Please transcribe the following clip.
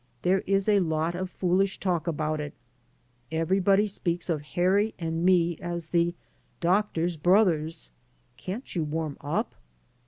There is a lot of foolish talk about it. Everybody speaks of Harry and me as the doctor's brothers. Can't you warm up?'